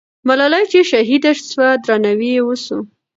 ملالۍ چې شهیده سوه، درناوی یې وسو.